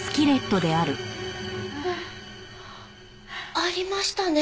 ありましたね。